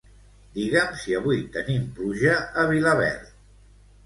Digue'm si avui tenim pluja a Vilaverd.